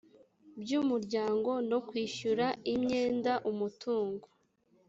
by umuryango no kwishyura imyenda umutungo